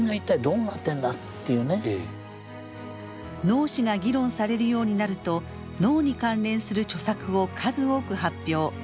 脳死が議論されるようになると脳に関連する著作を数多く発表。